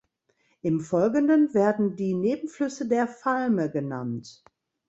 Im Folgenden werden die Nebenflüsse der Valme genannt.